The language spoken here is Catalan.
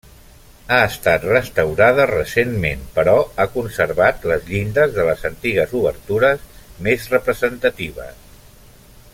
Ha estat restaurada recentment però ha conservat les llindes de les antigues obertures més representatives.